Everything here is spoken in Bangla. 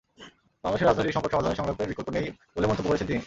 বাংলাদেশের রাজনৈতিক সংকট সমাধানে সংলাপের বিকল্প নেই বলে মন্তব্য করেছেন তিনি।